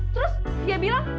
terus dia bilang